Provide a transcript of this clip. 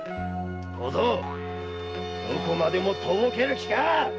小僧どこまでもとぼける気か！